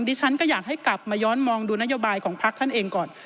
ดิฉันก็อยากให้กลับมาย้อนมองดูนโยบายของพักท่านเองก่อน